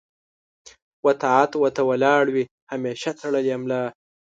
و طاعت و ته ولاړ وي همېشه تړلې ملا